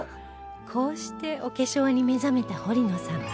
こうしてお化粧に目覚めた堀野さん